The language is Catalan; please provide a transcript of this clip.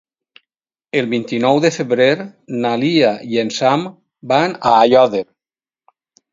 El vint-i-nou de febrer na Lia i en Sam van a Aiòder.